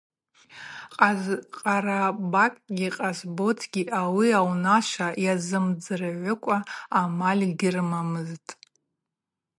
Къарабакьгьи Къасботгьи ауи аунашва йазымдзыргӏвыкӏва амаль гьрымамызтӏ.